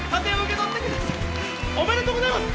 ありがとうございます！